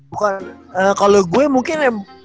bukan kalo gue mungkin ya